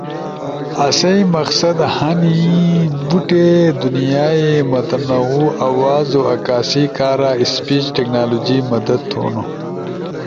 ۔ آسئی مقصد ہنی بوٹی دُونئیائی متنوع آوازو عکاسی کارا اسپیچ ٹیکنالوجی مدد تھونو۔